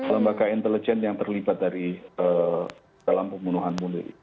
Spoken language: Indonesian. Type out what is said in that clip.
lembaga intelijen yang terlibat dalam pembunuhan munir